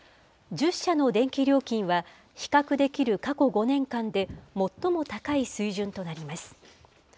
１０社の電気料金は、比較できる過去５年間で最も高い水準となります。